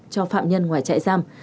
cho phạm nhân ngoài trại giam